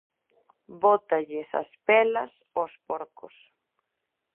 Bótalles as pelas aos porcos.